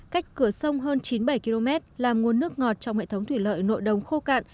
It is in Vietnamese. cách cửa sông hơn chín mươi bảy km làm nguồn nước ngọt trong hệ thống thủy lợi nội đồng khô cạn